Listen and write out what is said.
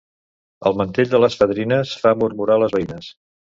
El mantell de les fadrines fa murmurar les veïnes.